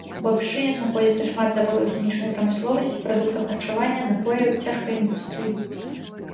У абшчыне знаходзіцца шмат заводаў хімічнай прамысловасці, прадуктаў харчавання, напояў і цяжкай індустрыі.